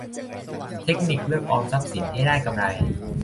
เทคนิคเลือกออมทรัพย์สินให้ได้กำไร